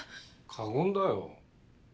過言だよ。